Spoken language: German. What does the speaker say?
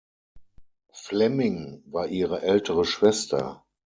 Flemming war ihre ältere Schwester.